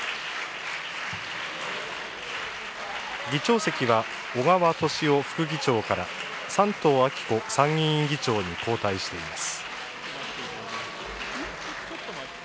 議長席は小川敏夫副議長から、山東昭子参議院議長に交代しています。